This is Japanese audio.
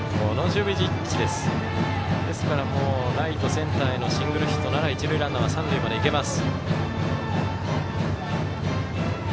ですから、ライトセンターへのシングルヒットなら一塁ランナーは三塁までいけます。